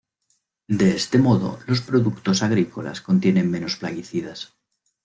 De este modo los productos agrícolas contienen menos de plaguicidas.